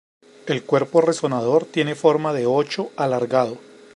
El cuerpo resonador tiene forma de ocho alargado.